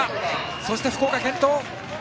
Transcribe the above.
そして福岡も健闘。